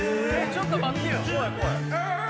ちょっと待ってよ。